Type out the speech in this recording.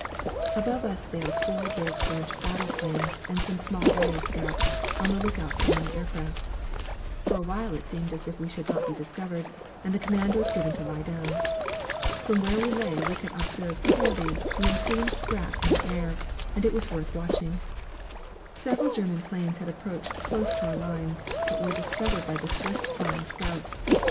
Above us sailed four big French battle planes and some small aero scouts, on the lookout for enemy aircraft. For a while it seemed as if we should not be discovered, and the command was given to lie down. From where we lay we could observe clearly the ensuing scrap in the air, and it was worth watching. Several German planes had approached close to our lines, but were discovered by the swift flying scouts.